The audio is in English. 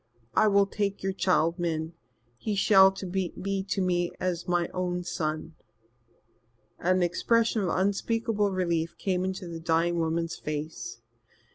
"I will take your child, Min. He shall be to me as my own son." An expression of unspeakable relief came into the dying woman's face.